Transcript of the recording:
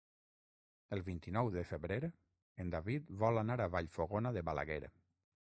El vint-i-nou de febrer en David vol anar a Vallfogona de Balaguer.